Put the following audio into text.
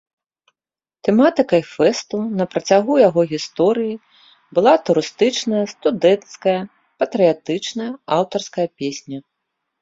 Тэматыкай фэсту на працягу яго гісторыі была турыстычная, студэнцкая, патрыятычная, аўтарская песня.